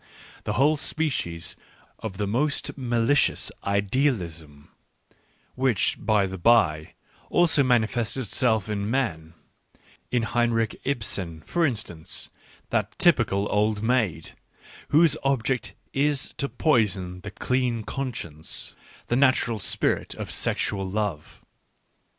A whole species of the most malicious " idealism "— which, by the bye, also manifests itself in men, in Henrik Ibsen for instance, that typical old maid — whose object is to poison the clean conscience, the natural spirit, of sexual love.